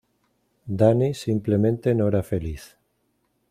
Danny simplemente no era feliz.